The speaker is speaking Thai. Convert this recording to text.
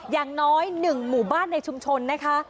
อย่างน้อย๑หมู่บ้านในชุมชนนะคะ